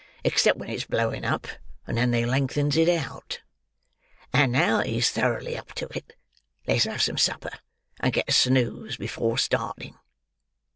—Except when it's blowing up; and then they lengthens it out. And now that he's thoroughly up to it, let's have some supper, and get a snooze before starting."